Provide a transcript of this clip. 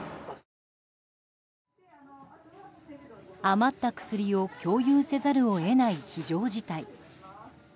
余った薬を共有せざるを得ない非常事態。